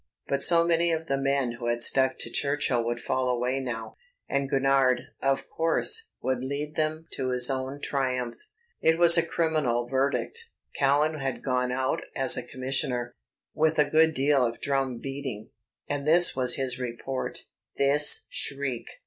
But so many of the men who had stuck to Churchill would fall away now, and Gurnard, of course, would lead them to his own triumph. It was a criminal verdict. Callan had gone out as a commissioner with a good deal of drum beating. And this was his report, this shriek.